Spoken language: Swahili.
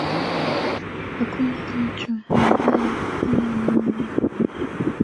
Hakuna nchu ambae hana nongo.